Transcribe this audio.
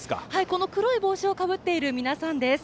この黒い帽子をかぶっている皆さんです。